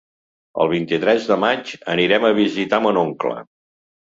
El vint-i-tres de maig anirem a visitar mon oncle.